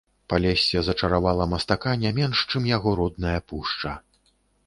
Палессе зачаравала мастака не менш, чым яго родная пушча.